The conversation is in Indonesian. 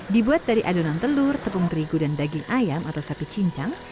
dibuat dari adonan telur tepung terigu dan daging ayam atau sapi cincang